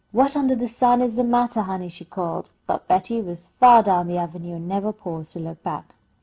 "What undah the sun is the mattah, honey?" she called, but Betty was far down the avenue, and never paused to look back.